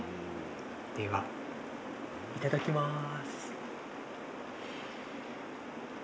ではいただきます。